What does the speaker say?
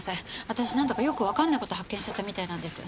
私なんだかよくわかんない事を発見しちゃったみたいなんです。